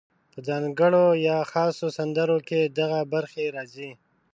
په ځانګړو یا خاصو سندرو کې دغه برخې راځي: